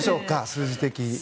数字的に。